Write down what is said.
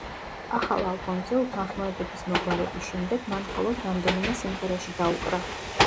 ახალ ალბომზე, უთანხმოებების მოგვარების შემდეგ, მან მხოლოდ რამდენიმე სიმღერაში დაუკრა.